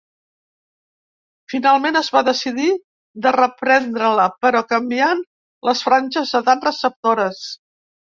Finalment, es va decidir de reprendre-la, però canviant les franges d’edat receptores.